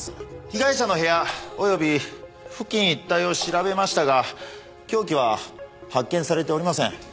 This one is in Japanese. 被害者の部屋及び付近一帯を調べましたが凶器は発見されておりません。